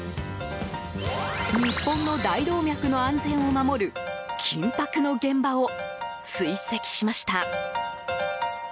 日本の大動脈の安全を守る緊迫の現場を追跡しました！